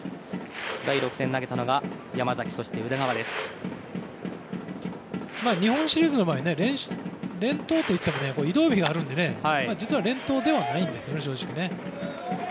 第６戦投げたのが山崎日本シリーズの場合連投といっても移動日があるので実は連投ではないんですね、正直。